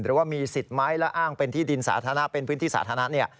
หรือว่ามีสิทธิ์ไหมและอ้างเป็นพื้นที่สาธารณะ